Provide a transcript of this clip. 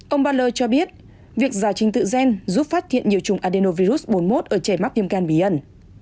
ông baler cho biết việc giải trình tự gen giúp phát hiện nhiều chủng adenovirus bốn mươi một ở trẻ mắc viêm gan bí ẩn